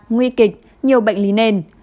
nguy kịch nhiều bệnh lý nền